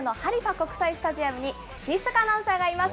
国際スタジアムに西阪アナウンサーがいます。